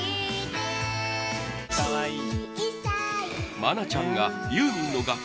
愛菜ちゃんがユーミンの楽曲